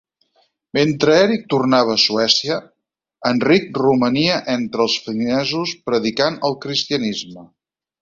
Mentre Eric tornava a Suècia, Enric romania entre els finesos, predicant el cristianisme.